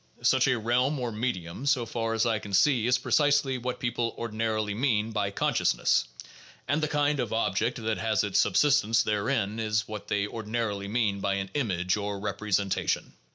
Such a realm or medium, so far as I can see, is precisely what people ordinarily mean by "consciousness"; and the kind of object that has its subsistence therein is what they ordinarily mean by an "image" or "representation."